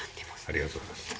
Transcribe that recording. ありがとうございます。